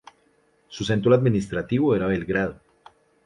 Su centro administrativo era Belgrado.